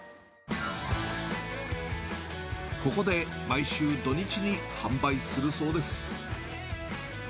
ここで毎週土日に販売するそうです。